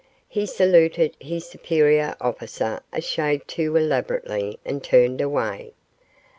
He saluted his superior officer a shade too elaborately and turned away.